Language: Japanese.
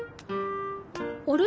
あれ？